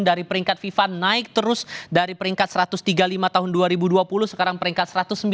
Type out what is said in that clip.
dari peringkat fifa naik terus dari peringkat satu ratus tiga puluh lima tahun dua ribu dua puluh sekarang peringkat satu ratus sembilan puluh